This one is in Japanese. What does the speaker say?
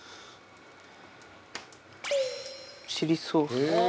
チリソース。